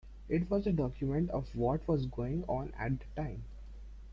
It was just a document of what was going on at the time.